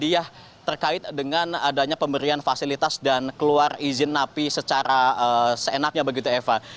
dan juga ada hadiah terkait dengan adanya pemberian fasilitas dan keluar izin napi secara seenaknya begitu eva